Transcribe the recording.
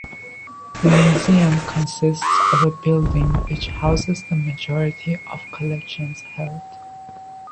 The museum consists of a building which houses the majority of collections held.